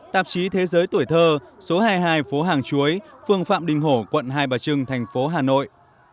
tạp chí thế giới tuổi thơ số hai mươi hai phố hàng chuối phương phạm đình hổ quận hai bà trưng thành phố hà nội